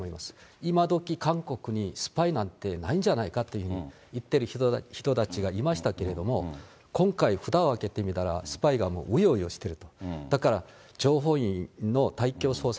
今どき、韓国にスパイなんてないんじゃないかっていうふうに言ってる人たちがいましたけれども、今回、ふたを開けてみたら、スパイがもううようよしてると。